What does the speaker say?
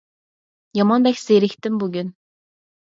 يامان بەك زېرىكتىم بۈگۈن!